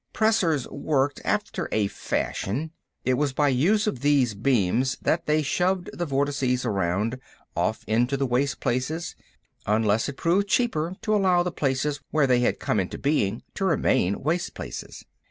Pressors worked, after a fashion: it was by the use of these beams that they shoved the vortices around, off into the waste places—unless it proved cheaper to allow the places where they had come into being to remain waste places.